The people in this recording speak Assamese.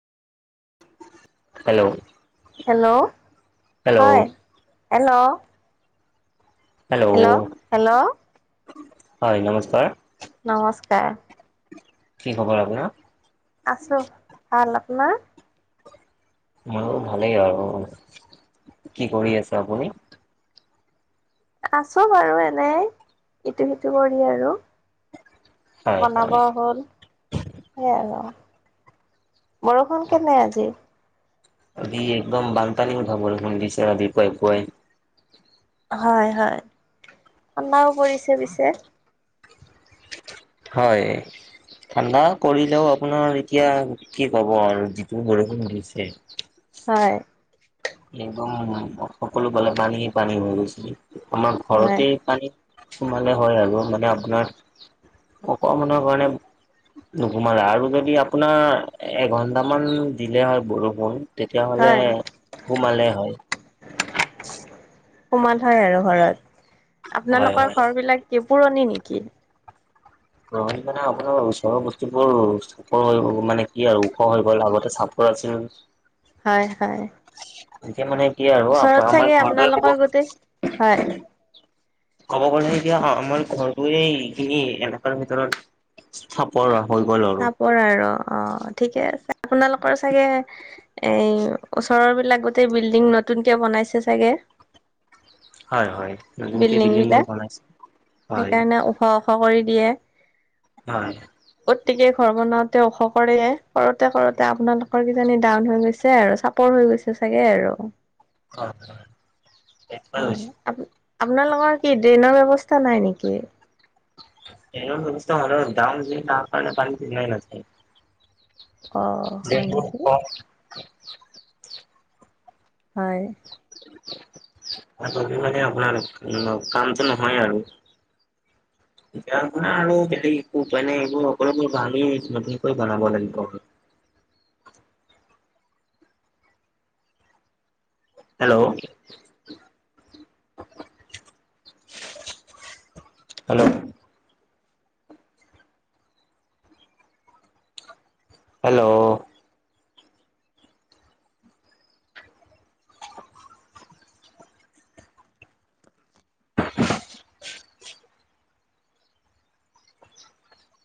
হেল্ল'। হেল্ল', হেল্ল' হয়, হেল্ল' হেল্ল', হয় নমস্কাৰ। নমস্কাৰ। কি খবৰ আপোনাৰ? আছোঁ ভাল। আপোনাৰ? মোৰো ভালেই আৰু কি কৰি আছে আপুনি? আছোঁ বাৰু এনেই ইটো সিটো কৰি আৰু। হয় বনাব হয় হ'ল সেই আৰু। বৰষুণ কেনে আজি? আজি একদম বানপানী উঠা বৰষুণ দিছে ৰাতি পুৱাই পুৱাই। হয় হয়। ঠাণ্ডাও পৰিছে পিছে। হয়। ঠাণ্ডা কৰিলেও আপোনাৰ এতিয়া কি ক'ব আৰু যিটো বৰষুণ দিছে। হয়। একদম সকলো ফালে পানী পানী হৈ গৈছিল আমাৰ হয় ঘৰতেই পানী সোমালে হয় আৰু মানে আপোনাৰ অকমানৰ কাৰণে নোসোমালে আৰু যদি আপোনাৰ এঘন্টা মান দিলে হয় বৰষুণ। তেতিয়াহ'লে হয় সোমালে হয়। সোমাল হয় আৰু ঘৰত হয় আপোনালোকৰ হয়। ঘৰবিলাক কেপুৰণি নেকি? গৰম মানে আপোনাৰ ওচৰ বস্তুবোৰ ওপৰ হৈ গ' মানে কি আৰু ওখ হৈ গ'ল আগতে চাপৰ আছিল। হয় হয়। এতিয়া মানে কি আৰু ওচৰত আমাৰ চাগে ঘৰটোৱে ক'ব আপোনালোকৰ গোটেই হয়। ক'ব গ'লে এতিয়া অঁ আমাৰ ঘৰটোৱেই এইখিনি এডোখৰ ভিতৰত চাপৰ হৈ গ'ল আৰু। পৰা আৰু অ ঠিকে আছে আপোনালোকৰ চাগে। এই ওচৰৰ বিলাক গোটেই বিল্ডিং নতুনকে বনাইছে চাগে। হয় হয় নতুনকে বিল্ডিং বোৰ বনাইছে হয়। সেইকাৰণে ওখ ওখ কৰি দিয়ে। হয়। গতিকে ঘৰ বনাওঁতে ওখ কৰে কৰোতে কৰোতে আপোনালোকৰ কিজানি ডাউন হৈ গৈছে আৰু চা পৰ হৈ গৈছে চাগে আৰু। হয় [unintelligible] আপোনালোকৰ কি ড্ৰেইনৰ ব্যৱস্থা নাই নেকি? ড্ৰেইনৰ ব্যৱস্থা হলেও দাউন যে তাৰ কাৰণে পানীতু ওলাই নাজাই। অ', হয় নেকি অ কম হয়। জলদি মানে আপোনাৰ কামটো নহয় আৰু। [inaudible] এতিয়া আপোনাৰ আৰু বেলেগ একো উপায় নাই আৰু এইবোৰ সকলোবোৰ ভাঙি নতুনকৈ বনাব লাগিব। হেলৌ। Hello hello.